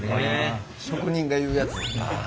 職人が言うやつ。